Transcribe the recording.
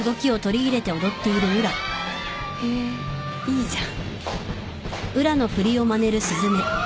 へいいじゃん。